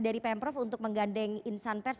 dari pemprov untuk menggandeng insan pers